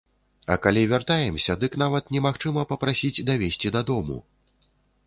А калі вяртаемся, дык нават немагчыма папрасіць давезці дадому!